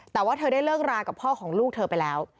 แต่ว่าเธอได้เลิกรากับพ่อของลูกเธอไปแล้ว